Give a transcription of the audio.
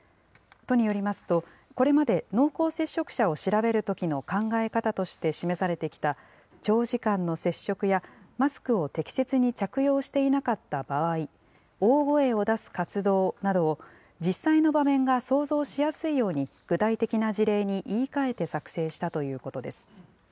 都によりますと、これまで濃厚接触者を調べるときの考え方として示されてきた長時間の接触やマスクを適切に着用していなかった場合、大声を出す活動など、実際の場面が想像しやすいように具体的な事例に言い換えて作成したということです。